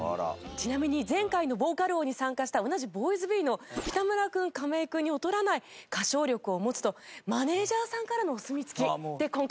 ちなみに前回の「ヴォーカル王」に参加した同じＢｏｙｓｂｅの北村くん亀井くんに劣らない歌唱力を持つとマネジャーさんからのお墨付きで今回参加です。